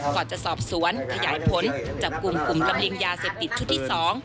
ก่อนจะสอบสวนขยายผลจับกลุ่มกลุ่มลำเลียงยาเสพติดชุดที่สอง